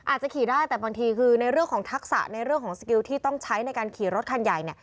อาจจะขี่ได้แต่บางทีคือในเรื่องของทักษะในเรื่องของสกิลที่ต้องใช้ในการขี่รถคันใหญ่เนี่ย